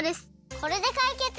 これでかいけつ！